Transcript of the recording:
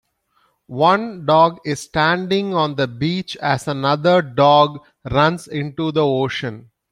One dog is standing on the beach as another dog runs into the ocean.